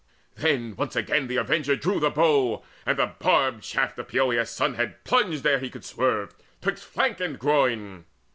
Then once again the avenger drew the bow, And the barbed shaft of Poeas' son had plunged, Ere he could swerve, 'twixt flank and groin.